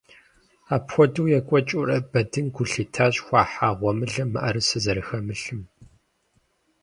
Апхуэдэу екӀуэкӀыурэ, Бэдын гу лъитащ хуахьа гъуэмылэм мыӀэрысэ зэрыхэмылъым.